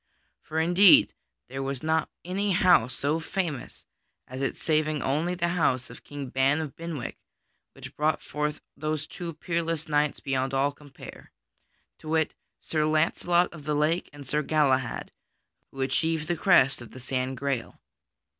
For indeed there was not any house so famous as it saving only the house of King Ban of Benwick, which brought forth those two peerless knights beyond all compare: to wit, Sir Launcelot of the Lake and Sir Galahad, who achieved the quest of the San Grail.